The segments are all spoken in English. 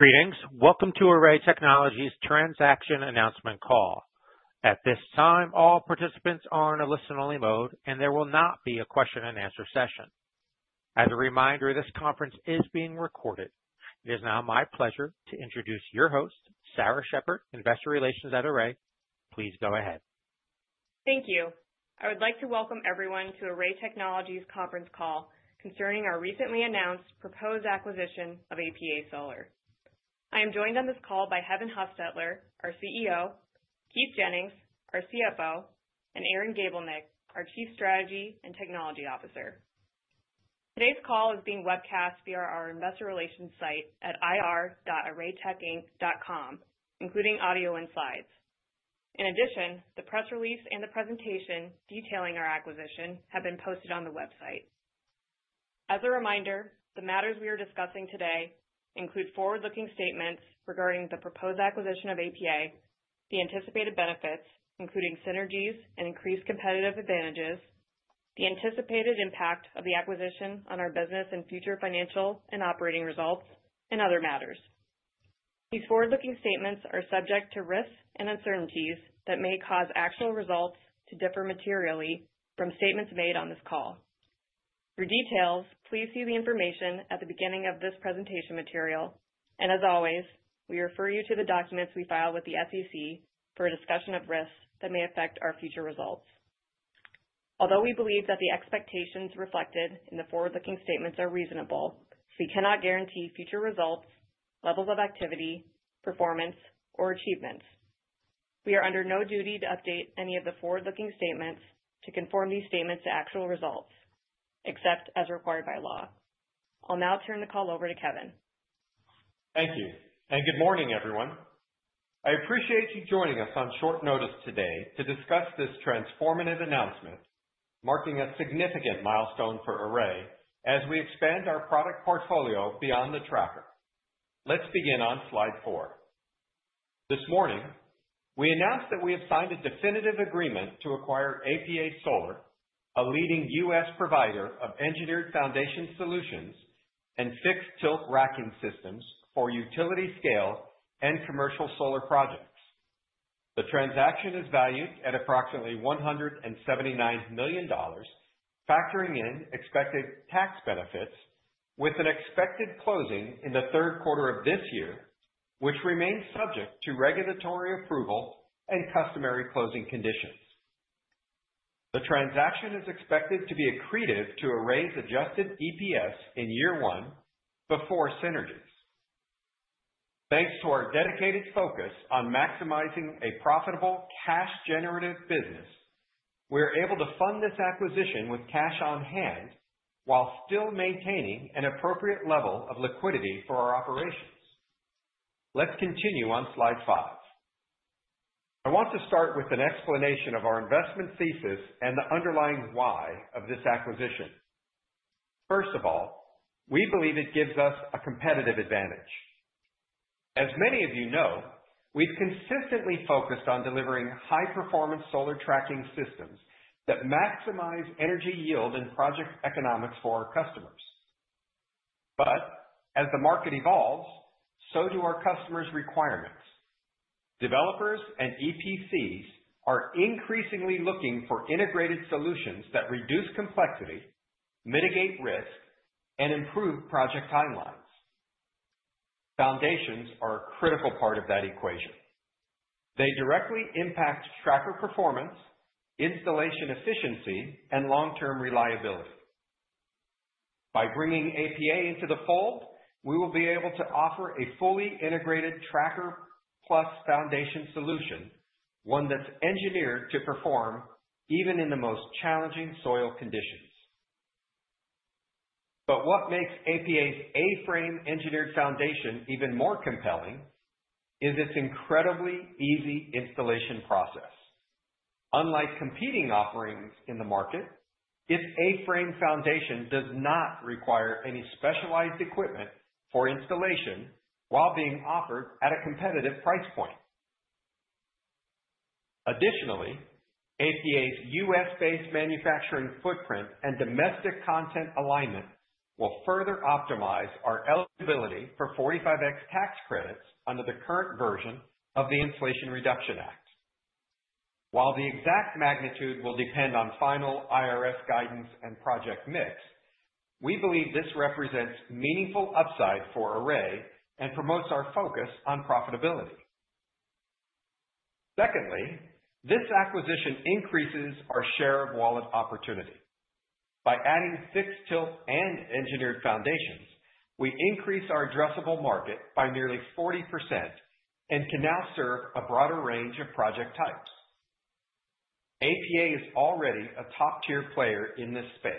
Greetings. Welcome to Array Technologies' transaction announcement call. At this time, all participants are in a listen-only mode, and there will not be a question-and-answer session. As a reminder, this conference is being recorded. It is now my pleasure to introduce your host, Sarah Sheppard, Investor Relations at Array. Please go ahead. Thank you. I would like to welcome everyone to Array Technologies' conference call concerning our recently announced proposed acquisition of APA Solar. I am joined on this call by Kevin Hostetler, our CEO, Keith Jennings, our CFO, and Aaron Gablenick, our Chief Strategy and Technology Officer. Today's call is being webcast via our investor relations site at ir.arraytechinc.com, including audio insights. In addition, the press release and the presentation detailing our acquisition have been posted on the website. As a reminder, the matters we are discussing today include forward-looking statements regarding the proposed acquisition of APA, the anticipated benefits, including synergies and increased competitive advantages, the anticipated impact of the acquisition on our business and future financial and operating results, and other matters. These forward-looking statements are subject to risks and uncertainties that may cause actual results to differ materially from statements made on this call. For details, please see the information at the beginning of this presentation material. As always, we refer you to the documents we file with the SEC for a discussion of risks that may affect our future results. Although we believe that the expectations reflected in the forward-looking statements are reasonable, we cannot guarantee future results, levels of activity, performance, or achievements. We are under no duty to update any of the forward-looking statements to conform these statements to actual results, except as required by law. I'll now turn the call over to Kevin. Thank you. Good morning, everyone. I appreciate you joining us on short notice today to discuss this transformative announcement, marking a significant milestone for Array as we expand our product portfolio beyond the tracker. Let's begin on slide four. This morning, we announced that we have signed a definitive agreement to acquire APA Solar, a leading U.S. provider of engineered foundation solutions and fixed-tilt racking systems for utility-scale and commercial solar projects. The transaction is valued at approximately $179 million, factoring in expected tax benefits, with an expected closing in the third quarter of this year, which remains subject to regulatory approval and customary closing conditions. The transaction is expected to be accretive to Array's adjusted EPS in year one before synergies. Thanks to our dedicated focus on maximizing a profitable cash-generative business, we are able to fund this acquisition with cash on hand while still maintaining an appropriate level of liquidity for our operations. Let's continue on slide five. I want to start with an explanation of our investment thesis and the underlying why of this acquisition. First of all, we believe it gives us a competitive advantage. As many of you know, we've consistently focused on delivering high-performance solar tracking systems that maximize energy yield and project economics for our customers. As the market evolves, so do our customers' requirements. Developers and EPCs are increasingly looking for integrated solutions that reduce complexity, mitigate risk, and improve project timelines. Foundations are a critical part of that equation. They directly impact tracker performance, installation efficiency, and long-term reliability. By bringing APA into the fold, we will be able to offer a fully integrated tracker-plus foundation solution, one that's engineered to perform even in the most challenging soil conditions. What makes APA's A-frame engineered foundation even more compelling is its incredibly easy installation process. Unlike competing offerings in the market, this A-frame foundation does not require any specialized equipment for installation while being offered at a competitive price point. Additionally, APA's U.S.-based manufacturing footprint and domestic content alignment will further optimize our eligibility for 45X tax credits under the current version of the Inflation Reduction Act. While the exact magnitude will depend on final IRS guidance and project mix, we believe this represents meaningful upside for Array and promotes our focus on profitability. Secondly, this acquisition increases our share of wallet opportunity. By adding fixed-tilt and engineered foundations, we increase our addressable market by nearly 40% and can now serve a broader range of project types. APA is already a top-tier player in this space,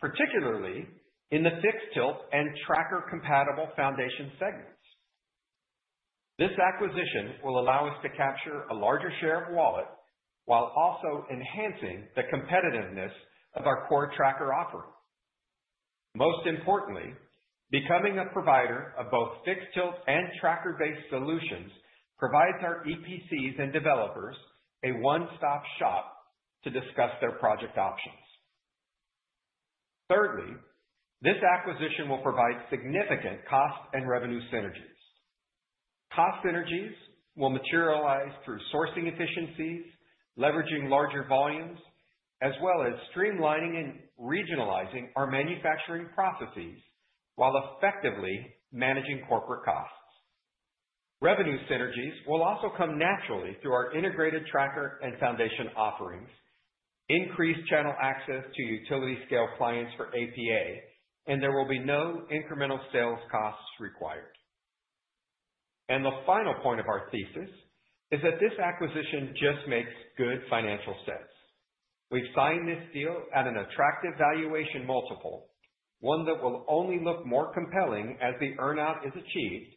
particularly in the fixed-tilt and tracker-compatible foundation segments. This acquisition will allow us to capture a larger share of wallet while also enhancing the competitiveness of our core tracker offering. Most importantly, becoming a provider of both fixed-tilt and tracker-based solutions provides our EPCs and developers a one-stop shop to discuss their project options. Thirdly, this acquisition will provide significant cost and revenue synergies. Cost synergies will materialize through sourcing efficiencies, leveraging larger volumes, as well as streamlining and regionalizing our manufacturing processes while effectively managing corporate costs. Revenue synergies will also come naturally through our integrated tracker and foundation offerings, increased channel access to utility-scale clients for APA, and there will be no incremental sales costs required. The final point of our thesis is that this acquisition just makes good financial sense. We've signed this deal at an attractive valuation multiple, one that will only look more compelling as the earnout is achieved,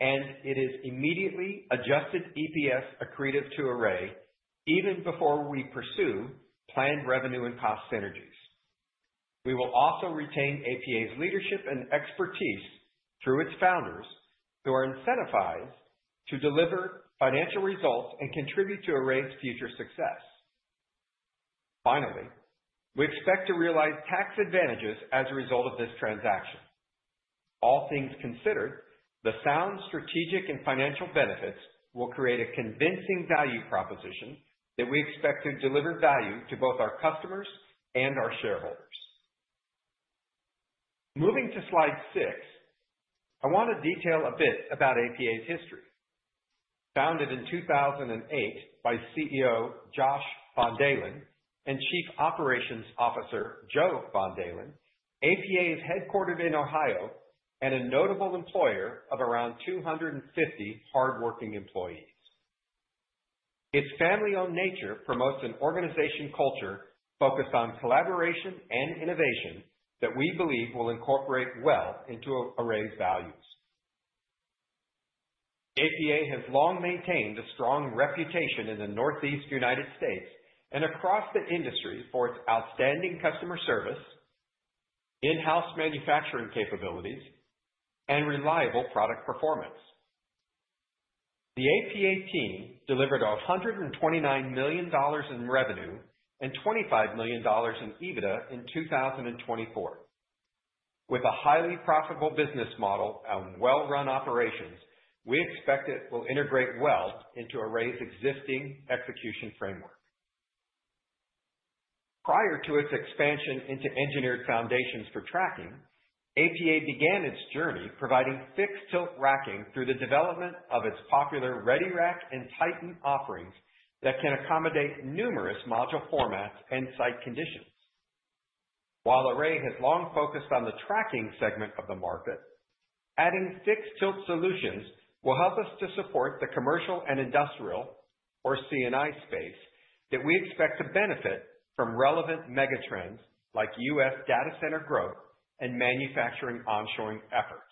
and it is immediately adjusted EPS accretive to Array even before we pursue planned revenue and cost synergies. We will also retain APA's leadership and expertise through its founders, who are incentivized to deliver financial results and contribute to Array's future success. Finally, we expect to realize tax advantages as a result of this transaction. All things considered, the sound strategic and financial benefits will create a convincing value proposition that we expect to deliver value to both our customers and our shareholders. Moving to slide six, I want to detail a bit about APA's history. Founded in 2008 by CEO Josh Bondalen and Chief Operations Officer Joe Bondalen, APA is headquartered in Ohio and a notable employer of around 250 hardworking employees. Its family-owned nature promotes an organization culture focused on collaboration and innovation that we believe will incorporate well into Array's values. APA has long maintained a strong reputation in the Northeast United States and across the industry for its outstanding customer service, in-house manufacturing capabilities, and reliable product performance. The APA team delivered $129 million in revenue and $25 million in EBITDA in 2024. With a highly profitable business model and well-run operations, we expect it will integrate well into Array's existing execution framework. Prior to its expansion into engineered foundations for tracking, APA began its journey providing fixed-tilt racking through the development of its popular Ready Rack and TITAN offerings that can accommodate numerous module formats and site conditions. While Array has long focused on the tracking segment of the market, adding fixed-tilt solutions will help us to support the commercial and industrial, or C&I, space that we expect to benefit from relevant megatrends like U.S. data center growth and manufacturing onshoring efforts.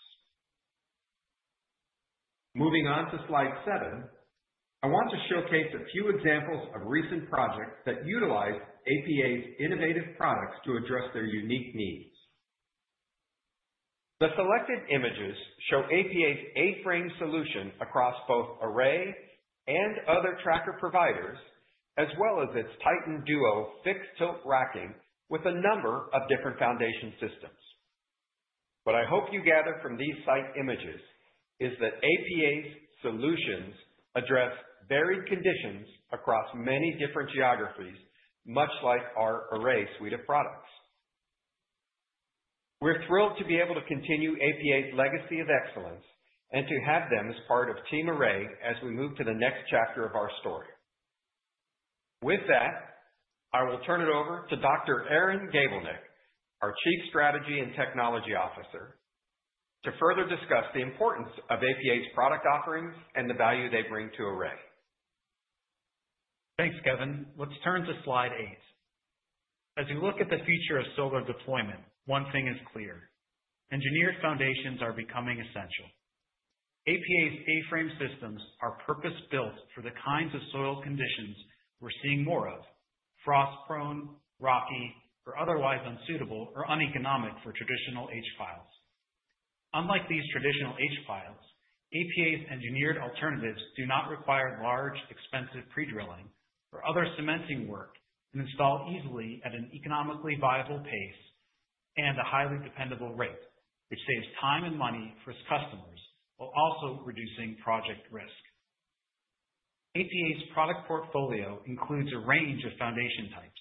Moving on to slide seven, I want to showcase a few examples of recent projects that utilize APA's innovative products to address their unique needs. The selected images show APA's A-frame solution across both Array and other tracker providers, as well as its TITAN Duo fixed-tilt racking with a number of different foundation systems. What I hope you gather from these site images is that APA's solutions address varied conditions across many different geographies, much like our Array suite of products. We're thrilled to be able to continue APA's legacy of excellence and to have them as part of Team Array as we move to the next chapter of our story. With that, I will turn it over to Dr. Aaron Gablenick, our Chief Strategy and Technology Officer, to further discuss the importance of APA's product offerings and the value they bring to Array. Thanks, Kevin. Let's turn to slide eight. As you look at the future of solar deployment, one thing is clear: engineered foundations are becoming essential. APA's A-frame systems are purpose-built for the kinds of soil conditions we're seeing more of: frost-prone, rocky, or otherwise unsuitable or uneconomic for traditional H-piles. Unlike these traditional H-piles, APA's engineered alternatives do not require large, expensive pre-drilling or other cementing work and install easily at an economically viable pace and a highly dependable rate, which saves time and money for its customers while also reducing project risk. APA's product portfolio includes a range of foundation types: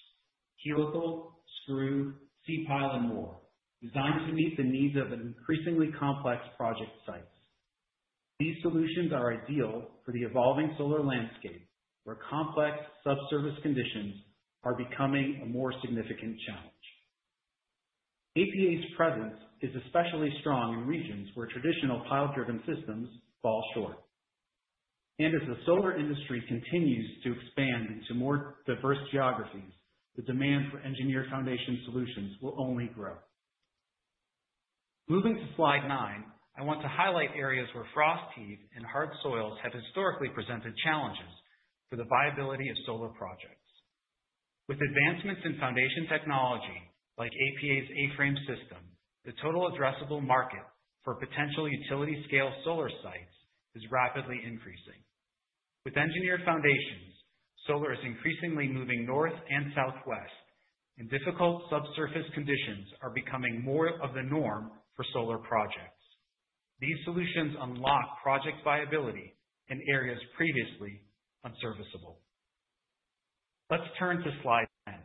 helical, screw, C-pile, and more, designed to meet the needs of increasingly complex project sites. These solutions are ideal for the evolving solar landscape, where complex subsurface conditions are becoming a more significant challenge. APA's presence is especially strong in regions where traditional pile-driven systems fall short. As the solar industry continues to expand into more diverse geographies, the demand for engineered foundation solutions will only grow. Moving to slide nine, I want to highlight areas where frost heave and hard soils have historically presented challenges for the viability of solar projects. With advancements in foundation technology like APA's A-frame system, the total addressable market for potential utility-scale solar sites is rapidly increasing. With engineered foundations, solar is increasingly moving north and southwest, and difficult subsurface conditions are becoming more of the norm for solar projects. These solutions unlock project viability in areas previously unserviceable. Let's turn to slide ten.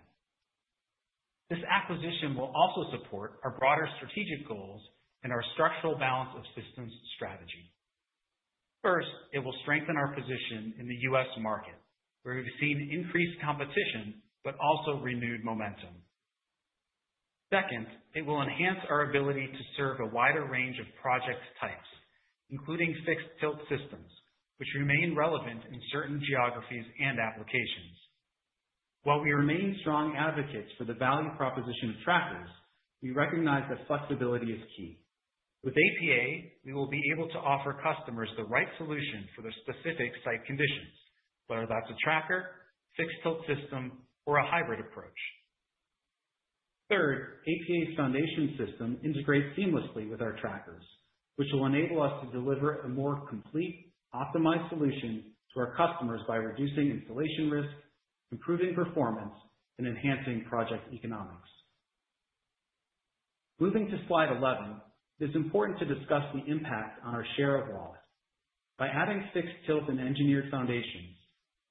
This acquisition will also support our broader strategic goals and our structural balance of systems strategy. First, it will strengthen our position in the U.S. market, where we've seen increased competition but also renewed momentum. Second, it will enhance our ability to serve a wider range of project types, including fixed-tilt systems, which remain relevant in certain geographies and applications. While we remain strong advocates for the value proposition of trackers, we recognize that flexibility is key. With APA, we will be able to offer customers the right solution for their specific site conditions, whether that's a tracker, fixed-tilt system, or a hybrid approach. Third, APA's foundation system integrates seamlessly with our trackers, which will enable us to deliver a more complete, optimized solution to our customers by reducing installation risk, improving performance, and enhancing project economics. Moving to slide 11, it is important to discuss the impact on our share of wallet. By adding fixed-tilt and engineered foundations,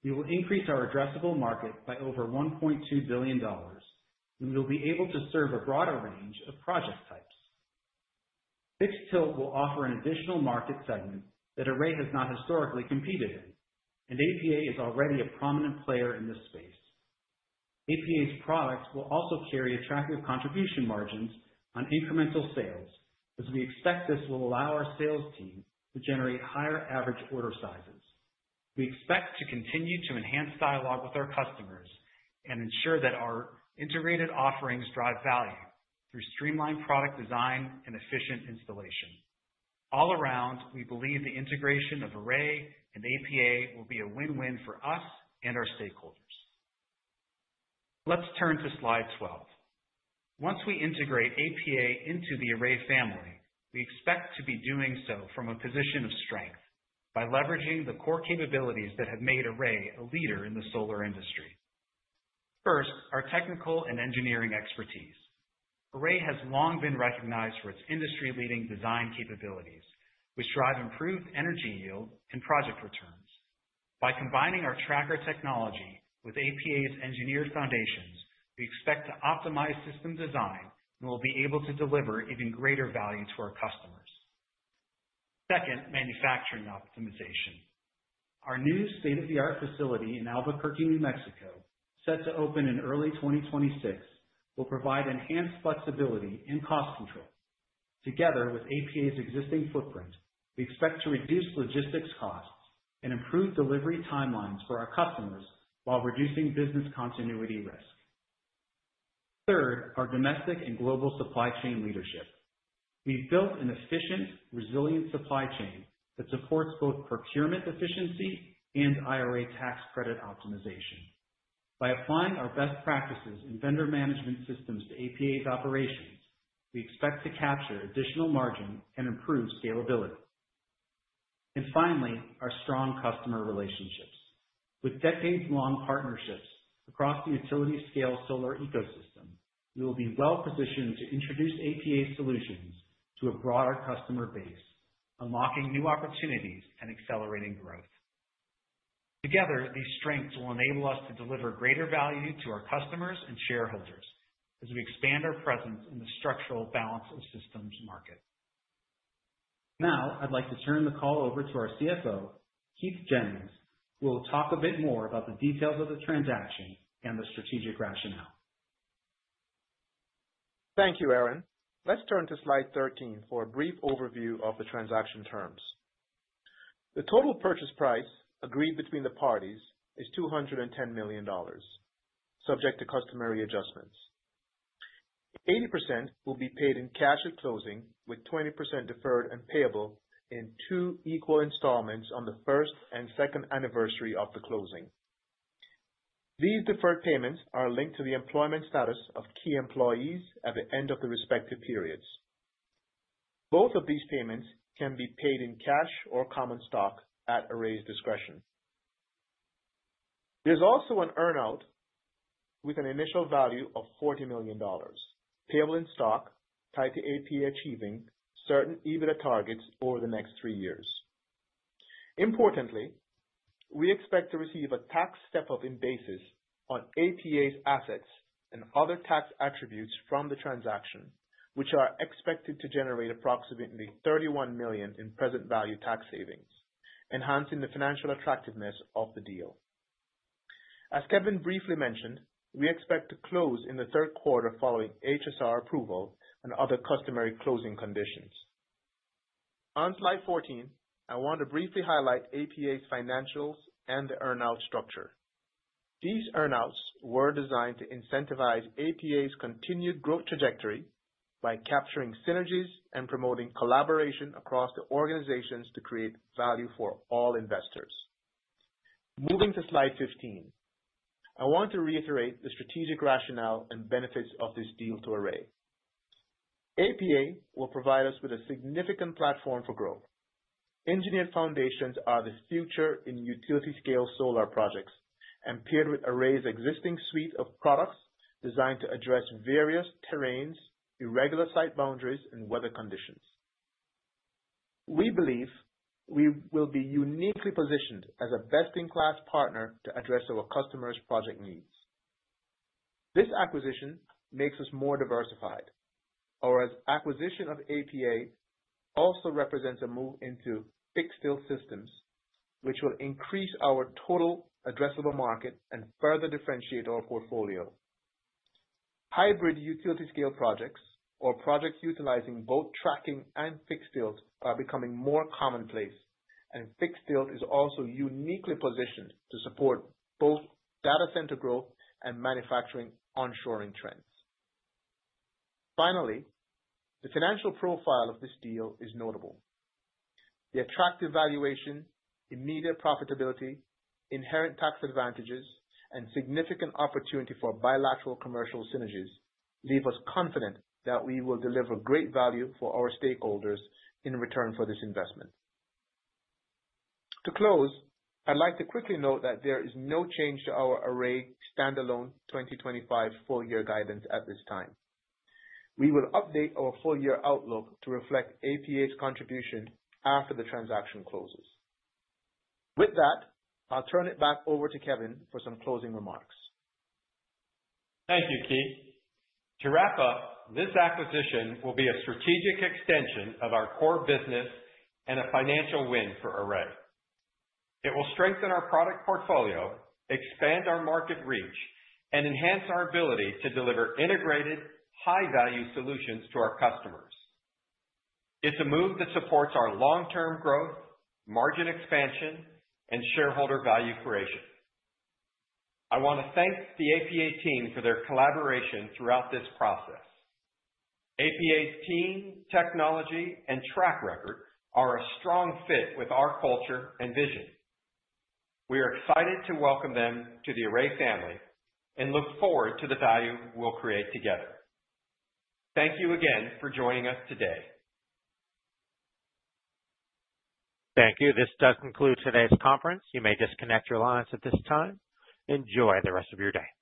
we will increase our addressable market by over $1.2 billion, and we will be able to serve a broader range of project types. Fixed-tilt will offer an additional market segment that Array has not historically competed in, and APA is already a prominent player in this space. APA's products will also carry attractive contribution margins on incremental sales, as we expect this will allow our sales team to generate higher average order sizes. We expect to continue to enhance dialogue with our customers and ensure that our integrated offerings drive value through streamlined product design and efficient installation. All around, we believe the integration of Array and APA will be a win-win for us and our stakeholders. Let's turn to slide 12. Once we integrate APA into the Array family, we expect to be doing so from a position of strength by leveraging the core capabilities that have made Array a leader in the solar industry. First, our technical and engineering expertise. Array has long been recognized for its industry-leading design capabilities, which drive improved energy yield and project returns. By combining our tracker technology with APA's engineered foundations, we expect to optimize system design and will be able to deliver even greater value to our customers. Second, manufacturing optimization. Our new state-of-the-art facility in Albuquerque, New Mexico, set to open in early 2026, will provide enhanced flexibility and cost control. Together with APA's existing footprint, we expect to reduce logistics costs and improve delivery timelines for our customers while reducing business continuity risk. Third, our domestic and global supply chain leadership. We have built an efficient, resilient supply chain that supports both procurement efficiency and IRA tax credit optimization. By applying our best practices in vendor management systems to APA's operations, we expect to capture additional margin and improve scalability. Finally, our strong customer relationships. With decades-long partnerships across the utility-scale solar ecosystem, we will be well-positioned to introduce APA solutions to a broader customer base, unlocking new opportunities and accelerating growth. Together, these strengths will enable us to deliver greater value to our customers and shareholders as we expand our presence in the structural balance of systems market. Now, I'd like to turn the call over to our CFO, Keith Jennings, who will talk a bit more about the details of the transaction and the strategic rationale. Thank you, Aaron. Let's turn to slide 13 for a brief overview of the transaction terms. The total purchase price agreed between the parties is $210 million, subject to customary adjustments. 80% will be paid in cash at closing, with 20% deferred and payable in two equal installments on the first and second anniversary of the closing. These deferred payments are linked to the employment status of key employees at the end of the respective periods. Both of these payments can be paid in cash or common stock at Array's discretion. There's also an earnout with an initial value of $40 million, payable in stock, tied to APA achieving certain EBITDA targets over the next three years. Importantly, we expect to receive a tax step-up in basis on APA's assets and other tax attributes from the transaction, which are expected to generate approximately $31 million in present value tax savings, enhancing the financial attractiveness of the deal. As Kevin briefly mentioned, we expect to close in the third quarter following HSR approval and other customary closing conditions. On slide 14, I want to briefly highlight APA's financials and the earnout structure. These earnouts were designed to incentivize APA's continued growth trajectory by capturing synergies and promoting collaboration across the organizations to create value for all investors. Moving to slide 15, I want to reiterate the strategic rationale and benefits of this deal to Array. APA will provide us with a significant platform for growth. Engineered foundations are the future in utility-scale solar projects and paired with Array's existing suite of products designed to address various terrains, irregular site boundaries, and weather conditions. We believe we will be uniquely positioned as a best-in-class partner to address our customers' project needs. This acquisition makes us more diversified, as acquisition of APA also represents a move into fixed-tilt systems, which will increase our total addressable market and further differentiate our portfolio. Hybrid utility-scale projects, or projects utilizing both tracking and fixed-tilt, are becoming more commonplace, and fixed-tilt is also uniquely positioned to support both data center growth and manufacturing onshoring trends. Finally, the financial profile of this deal is notable. The attractive valuation, immediate profitability, inherent tax advantages, and significant opportunity for bilateral commercial synergies leave us confident that we will deliver great value for our stakeholders in return for this investment. To close, I'd like to quickly note that there is no change to our Array standalone 2025 full-year guidance at this time. We will update our full-year outlook to reflect APA's contribution after the transaction closes. With that, I'll turn it back over to Kevin for some closing remarks. Thank you, Keith. To wrap up, this acquisition will be a strategic extension of our core business and a financial win for Array. It will strengthen our product portfolio, expand our market reach, and enhance our ability to deliver integrated, high-value solutions to our customers. It is a move that supports our long-term growth, margin expansion, and shareholder value creation. I want to thank the APA team for their collaboration throughout this process. APA's team, technology, and track record are a strong fit with our culture and vision. We are excited to welcome them to the Array family and look forward to the value we will create together. Thank you again for joining us today. Thank you. This does conclude today's conference. You may disconnect your lines at this time. Enjoy the rest of your day.